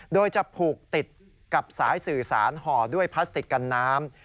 โดยจะผูกติดกับสายสื่อสารห่อด้วยพลาสติกกันน้ำ